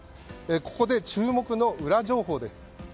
ここで注目の裏情報です。